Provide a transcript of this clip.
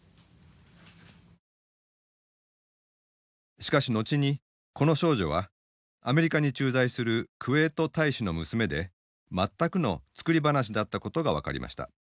しかし後にこの少女はアメリカに駐在するクウェート大使の娘で全くの作り話だったことが分かりました。